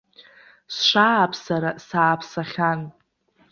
Сшааԥсара сааԥсахьан.